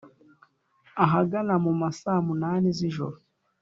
ahagana mu masamunani z'ijoro,